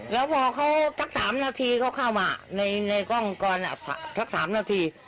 แล้วพอเขาสัก๓นาทีเขาเข้ามาในกล้องกรสัก๓นาที